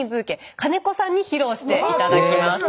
金子さんに披露して頂きます。